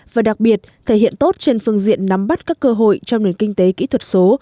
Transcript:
và đặc biệt thể hiện tốt trên phương diện nắm bắt các cơ hội trong nền kinh tế kỹ thuật số